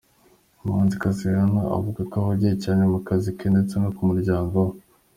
Umuhanzikazi Rihanna avuga ko ahugiye cyane mu kazi ke ndetse no ku muryango we.